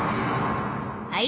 はい。